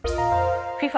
ＦＩＦＡ